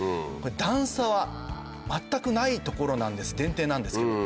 段差は全くない所なんです電停なんですけれども。